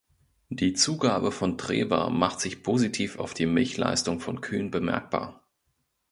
Die Zugabe von Treber macht sich positiv auf die Milchleistung von Kühen bemerkbar.